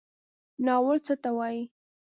ناول څه ته وایي؟